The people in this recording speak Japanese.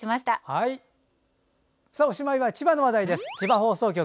おしまいは千葉の話題です。